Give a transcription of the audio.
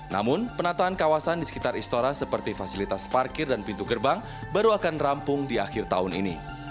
namun penataan kawasan di sekitar istora seperti fasilitas parkir dan pintu gerbang baru akan rampung di akhir tahun ini